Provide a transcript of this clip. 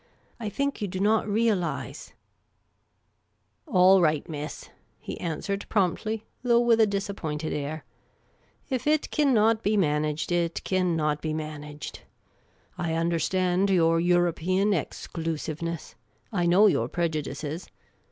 I think you do not realise "" All right, miss," he answered promptly, though with a disappointed air. " Ef it kin not be managed, it kin not be managed. I understand your European ex clusiveness. I The Amateur Commission Agent 97 know your prejudices.